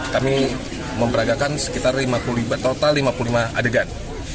kami memperagakan sekitar lima puluh lima total lima puluh lima adegan